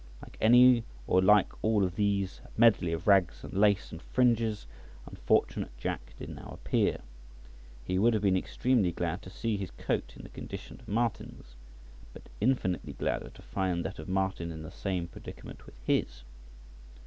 Like any or like all of these, a medley of rags, and lace, and fringes, unfortunate Jack did now appear; he would have been extremely glad to see his coat in the condition of Martin's, but infinitely gladder to find that of Martin in the same predicament with his.